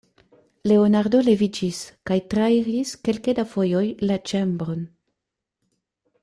Leonardo leviĝis kaj trairis kelke da fojoj la ĉambron.